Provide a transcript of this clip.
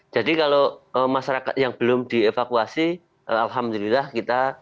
jadi kalau masyarakat yang belum dievakuasi alhamdulillah kita